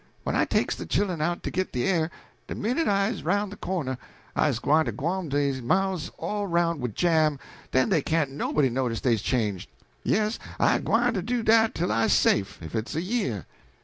When I takes de chillen out to git de air, de minute I's roun' de corner I's gwine to gaum dey mouths all roun' wid jam, den dey can't nobody notice dey's changed. Yes, I gwineter do dat till I's safe, if it's a year.